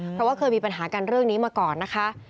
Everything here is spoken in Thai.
เพราะว่าเคยมีปัญหากันเรื่องนี้มาก่อนนะคะ